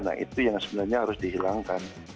nah itu yang sebenarnya harus dihilangkan